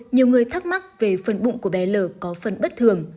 nhiều người thắc mắc về phần bụng của bé l có phần bất thường